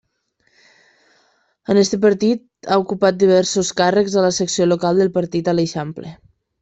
En aquest partit ha ocupat diversos càrrecs a la secció local del partit a l'Eixample.